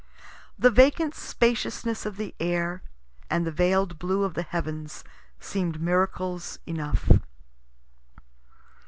The vacant spaciousness of the air, and the veil'd blue of the heavens, seem'd miracles enough.